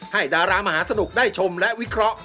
ดารามหาสนุกได้ชมและวิเคราะห